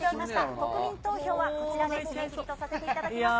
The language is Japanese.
国民投票はこちらで締め切りとさせていただきました。